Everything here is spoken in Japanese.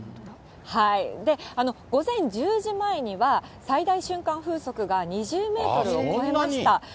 午前１０時前には、最大瞬間風速が２０メートルを超えました。